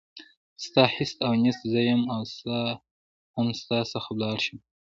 ستا هست او نیست زه یم او زه هم ستا څخه ولاړه شم.